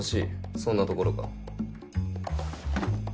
そんなところか。